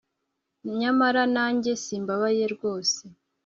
nyamara nanjye simbabaye rwose